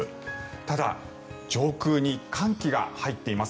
ただ、上空に寒気が入っています。